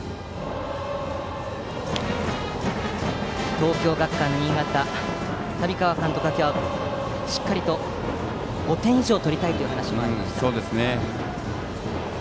東京学館新潟、旅川監督は今日はしっかりと５点以上取りたいと話していました。